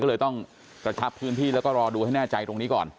ก็เลยต้องกระชับพื้นที่แล้วก็รอดูให้แน่ใจตรงนี้ก่อน